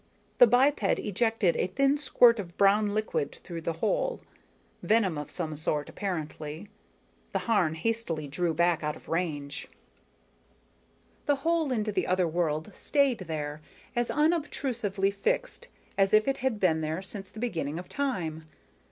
_ _The biped ejected a thin squirt of brown liquid through the hole venom of some sort, apparently. The Harn hastily drew back out of range._ The hole into the other world stayed there, as unobtrusively fixed as if it had been there since the beginning of time.